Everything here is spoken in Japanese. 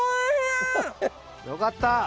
よかった！